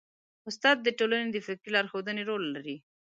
استاد د ټولنې د فکري لارښودۍ رول لري.